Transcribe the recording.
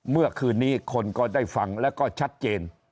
เมื่อคืนนี้คนก็ได้ฟังแล้วก็ชัดเจน